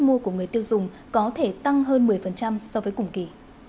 sức mua của người tiêu dùng có thể tăng hơn một mươi so với cùng kỳ